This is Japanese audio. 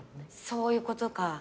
そういうことか。